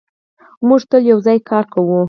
موږ تل یو ځای کار کوو.